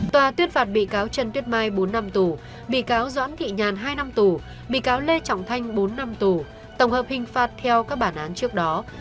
tòa tuyên phạt bị cáo trần tuyết mai bốn năm tù bị cáo doãn thị nhàn hai năm tù bị cáo lê trọng thanh bốn năm tù tổng hợp hình phạt theo các bản án trước đó